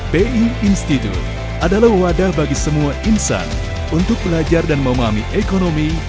pi institute adalah wadah bagi semua insan untuk belajar dan memahami ekonomi